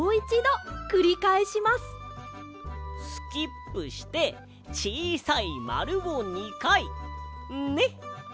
スキップしてちいさいまるを２かいね。